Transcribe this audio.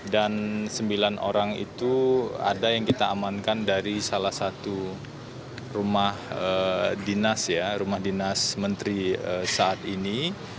dan sembilan orang itu ada yang kita amankan dari salah satu rumah dinas ya rumah dinas menteri saat ini